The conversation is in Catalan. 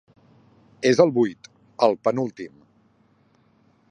És el vuit, el penúltim.